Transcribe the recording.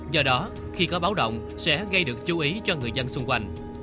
do đó khi có báo động sẽ gây được chú ý cho người dân xung quanh